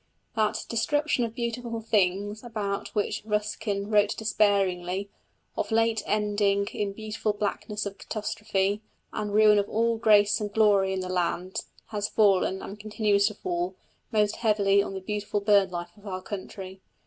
That "destruction of beautiful things," about which Ruskin wrote despairingly, "of late ending in perfect blackness of catastrophe, and ruin of all grace and glory in the land," has fallen, and continues to fall, most heavily on the beautiful bird life of our country.